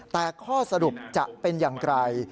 แต่ข้อสรุปจะเป็นอย่างไร